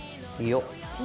よっ。